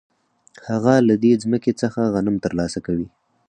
هغه له دې ځمکې څخه غنم ترلاسه کوي